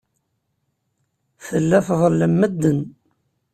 Tella tḍellem medden.